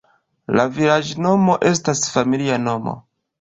La vilaĝnomo estas familia nomo.